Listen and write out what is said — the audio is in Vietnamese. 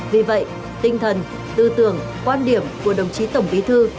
vì vậy tinh thần tư tưởng quan điểm của đồng chí tổng bí thư